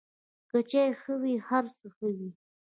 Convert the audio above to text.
که چای ښه وي، هر څه ښه وي.